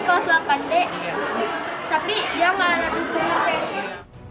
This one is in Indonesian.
kelas delapan d tapi dia malah nanti semua pesen